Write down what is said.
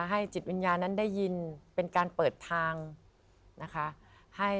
จิตวิญญาณนั้นได้ยินเป็นการเปิดทางนะคะ